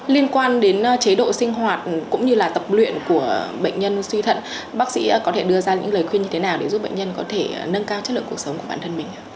liên quan đến chế độ sinh hoạt cũng như là tập luyện của bệnh nhân suy thận bác sĩ có thể đưa ra những lời khuyên như thế nào để giúp bệnh nhân có thể nâng cao chất lượng cuộc sống của bản thân mình